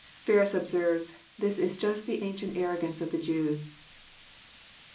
'" Ferns observes :'* This is just the ancient arrogance of the Jews."